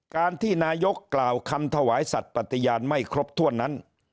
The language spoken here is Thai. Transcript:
การที่นายกกล่าวคำถวายสัตว์ปฏิญาณไม่ครบถ้วนนั้น